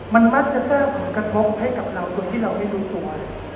มันมักจะสร้างผลกระทบให้กับเราโดยที่เราไม่รู้ตัว